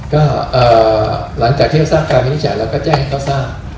ก็เอ่อหลังจากที่เขาสร้างการวินิจฉันแล้วก็จะให้เขาสร้าง